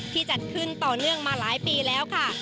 จัดขึ้นต่อเนื่องมาหลายปีแล้วค่ะ